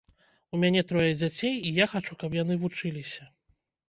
У мяне трое дзяцей і я хачу, каб яны вучыліся.